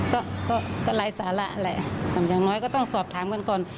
ก็ก็ไร้สาระแหละอย่างน้อยก็ต้องสอบถามกันก่อน